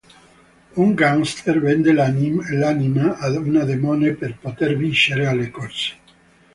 Un gangster vende l'anima ad un demone per poter vincere alle corse.